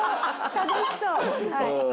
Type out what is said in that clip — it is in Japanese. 楽しそう。